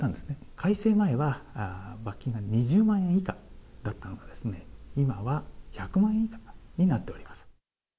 改正前は罰金が２０万円以下だったのが、今は１００万円以下になっております。